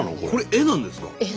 絵なんです。